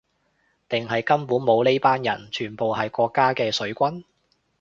定係根本冇呢班人，全部係國家嘅水軍